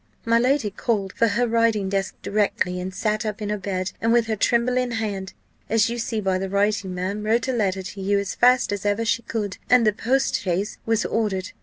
My lady called for her writing desk directly, and sat up in her bed, and with her trembling hand, as you see by the writing, ma'am, wrote a letter to you as fast as ever she could, and the postchaise was ordered.